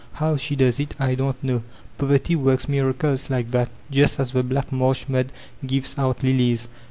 How she does it, I don't know; poverty works miracles like that, just as the bhck marsh mud gives out lilies.